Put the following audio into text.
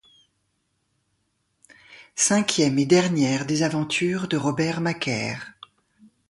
Cinquième et dernière des aventures de Robert Macaire.